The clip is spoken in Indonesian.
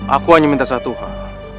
aku hanya minta satu hal